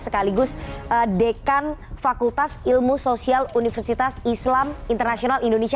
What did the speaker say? sekaligus dekan fakultas ilmu sosial universitas islam internasional indonesia